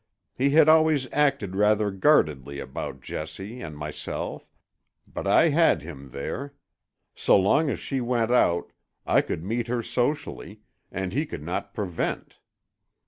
He had always acted rather guardedly about Jessie and myself, but I had him there; so long as she went out, I could meet her socially, and he could not prevent.